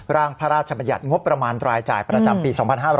ร่างพระราชบัญญัติงบประมาณรายจ่ายประจำปี๒๕๕๙